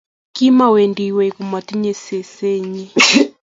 Kimawendi wiiy komatinyei sesenyi